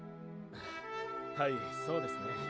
はいそうですね